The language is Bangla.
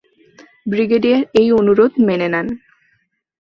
ব্রিগেডিয়ার এই অনুরোধ মেনে নেন।